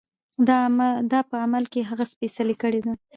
دا په عمل کې هغه سپېڅلې کړۍ ده.